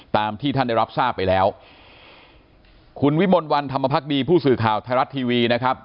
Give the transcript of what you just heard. ตามที่ท่านได้รับทราบไปแล้วคุณวิมลวันธรรมพักดีผู้สื่อข่าวไทยรัฐทีวีนะครับ